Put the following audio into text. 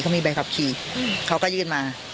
เขามีใบขับขี่เขาก็ยื่นมา